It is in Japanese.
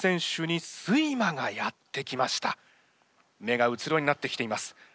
目がうつろになってきています。